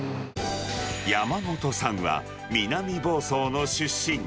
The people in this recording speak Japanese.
山本さんは、南房総の出身。